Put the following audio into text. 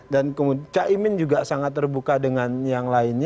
dan kemudian caimin juga